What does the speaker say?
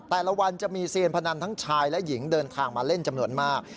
แต่ละวันจะมีเซียนพนันทั้งชายและหญิงเดินทางมาเล่นจำนวนมาก